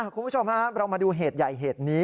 คุณผู้ชมครับเรามาดูเหตุใหญ่เหตุนี้